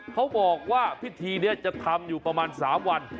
เขาบอกว่าพิธีนี้จะทำอยู่ประมาณ๓วัน